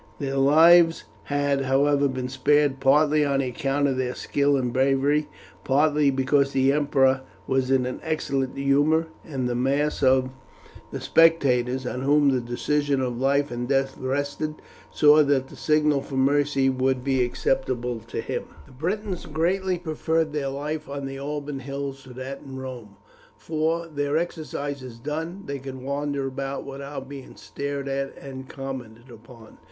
Their lives had, however, been spared, partly on account of their skill and bravery, partly because the emperor was in an excellent humour, and the mass of the spectators, on whom the decision of life or death rested, saw that the signal for mercy would be acceptable to him. The Britons greatly preferred their life on the Alban Hills to that in Rome; for, their exercises done, they could wander about without being stared at and commented upon.